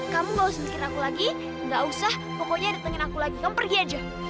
kamu ga usah mikir aku lagi ga usah pokoknya datengin aku lagi kamu pergi aja